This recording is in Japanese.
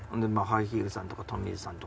ハイヒールさんとかトミーズさん。